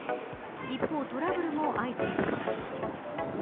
一方トラブルも相次いでいます。